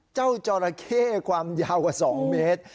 จอราเข้ความยาวกว่า๒เมตร